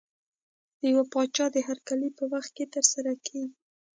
د یو پاچا د هرکلي په وخت کې ترسره کېږي.